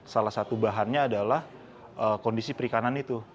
salah satu bahannya adalah kondisi perikanan itu